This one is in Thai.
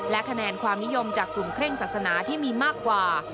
และคะแนนความนิยมจากกลุ่มเคร่งศาสนาที่มีมากกว่า